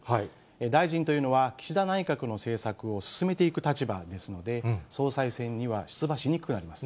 大臣というのは、岸田内閣の政策を進めていく立場ですので、総裁選には出馬しにくくなります。